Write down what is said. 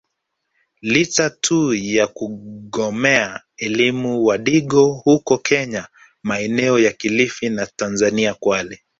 Licha tu ya kugomea elimu wadigo huko kenya maeneo ya kilifi na Tanzania Kwale